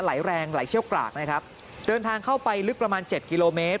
ไหลแรงไหลเชี่ยวกรากนะครับเดินทางเข้าไปลึกประมาณเจ็ดกิโลเมตร